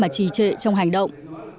chỉ chơi trong hành động